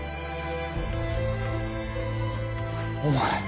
お前！